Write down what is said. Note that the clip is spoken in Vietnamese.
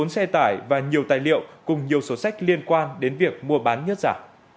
bốn xe tải và nhiều tài liệu cùng nhiều sổ sách liên quan đến việc mua bán nhất giả